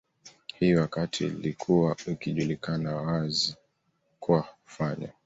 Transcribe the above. hili wakati ilikuwa ikijulikana wazi kuwa kufanya